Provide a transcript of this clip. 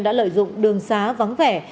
đã lợi dụng đường xá vắng vẻ